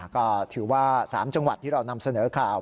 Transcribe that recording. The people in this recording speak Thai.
ก็ถือว่า๓จังหวัดที่เรานำเสนอข่าว